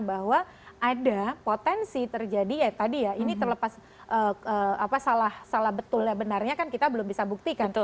bahwa ada potensi terjadi ya tadi ya ini terlepas salah betul ya benarnya kan kita belum bisa buktikan